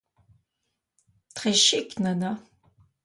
Très chic, Nana!